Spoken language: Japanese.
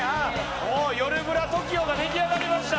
もうよるブラＴＯＫＩＯができあがりました